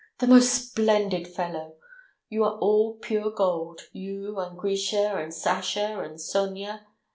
"The most splendid fellow! You are all pure gold, you and Grisha and Sasha and Sonya.